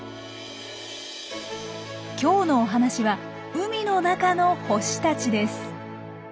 今日のお話は「海の中の」星たちです。